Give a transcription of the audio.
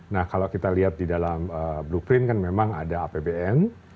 nah kalau kita lihat di dalam blueprint kan memang ada apbn